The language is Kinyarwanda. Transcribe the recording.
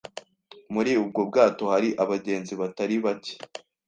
Muri ubwo bwato hari abagenzi batari bake.